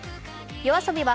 ＹＯＡＳＯＢＩは